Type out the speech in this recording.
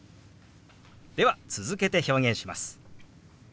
では続けて表現します。